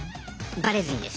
バレずにです。